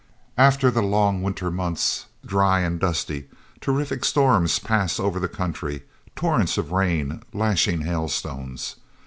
After the long winter months, dry and dusty, terrific storms pass over the country, torrents of rain, lashing hailstones.